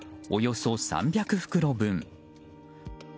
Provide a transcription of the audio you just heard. およそ３００袋分。